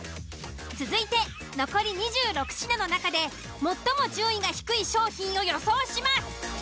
続いて残り２６品の中で最も順位が低い商品を予想します。